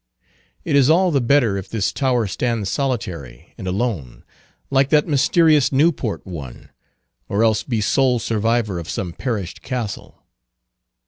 It is all the better if this tower stand solitary and alone, like that mysterious Newport one, or else be sole survivor of some perished castle.